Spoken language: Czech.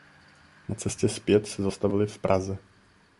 Na cestě zpět se zastavili v Praze.